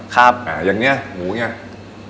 ตัวนี้ก็๑๓๙บาท